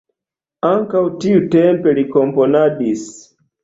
Ankaŭ tiutempe li komponadis.